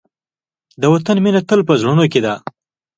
د وطن مینه تل په زړونو کې ده.